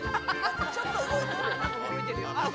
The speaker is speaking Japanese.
ちょっと動いてる。